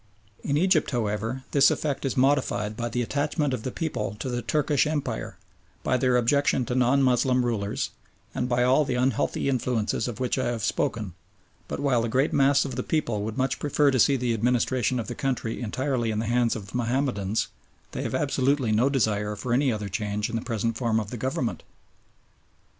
In Egypt, however, this effect is modified by the attachment of the people to the Turkish Empire, by their objection to non Moslem rulers, and by all the unhealthy influences of which I have spoken; but while the great mass of the people would much prefer to see the administration of the country entirely in the hands of Mahomedans, they have absolutely no desire for any other change in the present form of the Government.